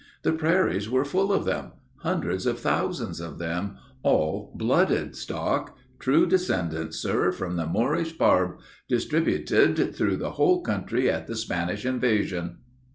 The prairies were full of them, hundreds of thousands of them, all blooded stock, 'true descendants, sir, from the Moorish Barb, distributed through the whole country at the Spanish invasion.'